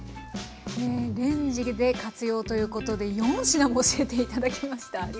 レンジで活用ということで４品も教えて頂きました。